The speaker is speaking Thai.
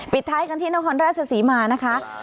ปิดท้ายกันที่น้องฮราชสีมานะคะ